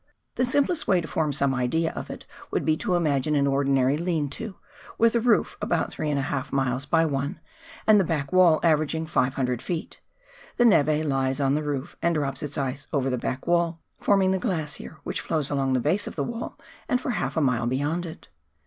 The simplest way to form some idea of it would be to imagine an ordinary " lean to " with a roof about three and a half miles by one, and the back wall averaging 500 ft. ; the neve lies on the roof and drops its ice over the back wall, forming the glacier which flows along the base of the wall and for half a mile beyond it.